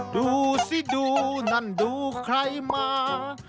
ดูสิดูนั่นดูใครมา